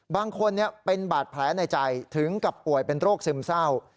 บางคนเป็นบาดแผลในใจถึงกับป่วยเป็นโรคซึมเศร้า